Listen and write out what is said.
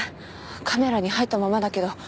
カメラに入ったままだけど。